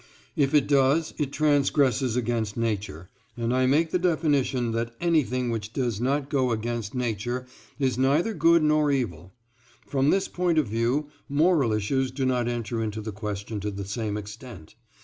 If it does it transgresses against nature, and I make the definition that anything which does not go against nature is neither good nor evil. From this point of view, moral issues do not enter into the question to the same extent.